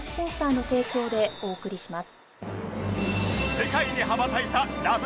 世界に羽ばたいたラブ！！